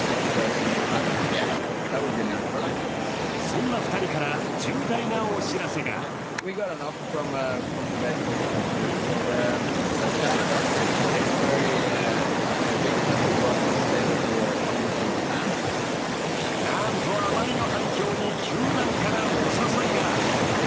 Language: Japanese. そんな２人から重大なお知らせがなんと、あまりの反響に球団からお誘いが。